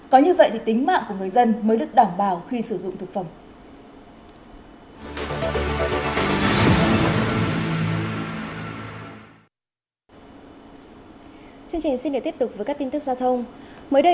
có như vậy thì tính mạng của người dân mới đứt đỏ